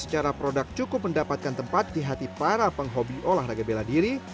secara produk cukup mendapatkan tempat di hati para penghobi olahraga bela diri